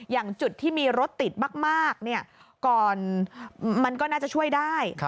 อย่างจุดที่มีรถติดมากก่อนมันก็น่าจะช่วยได้